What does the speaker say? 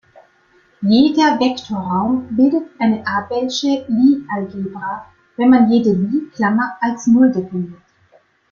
Jeder Vektorraum bildet eine abelsche Lie-Algebra, wenn man jede Lie-Klammer als Null definiert.